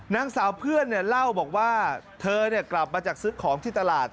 นางสาวเพื่อนเล่าบอกว่าเธอกลับมาจากซื้อของที่ตลาด